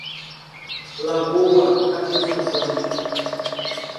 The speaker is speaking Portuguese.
Lagoa da Confusão